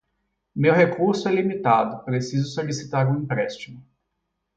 Meu recurso é limitado, preciso solicitar um empréstimo